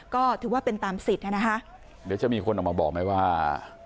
ก็ถือว่าเป็นตามสิทธิ์นะคะเดี๋ยวจะมีคนออกมาบอกไหมว่า